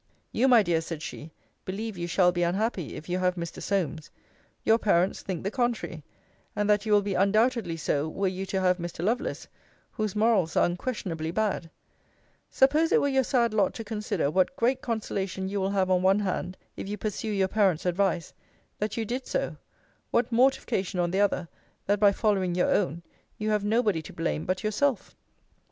'You, my dear, said she, believe you shall be unhappy, if you have Mr. Solmes: your parents think the contrary; and that you will be undoubtedly so, were you to have Mr. Lovelace, whose morals are unquestionably bad: suppose it were your sad lot to consider, what great consolation you will have on one hand, if you pursue your parents' advice, that you did so; what mortification on the other, that by following your own, you have nobody to blame but yourself.'